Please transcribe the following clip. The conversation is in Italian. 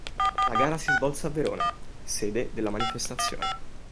La gara si svolse a Verona, sede della manifestazione.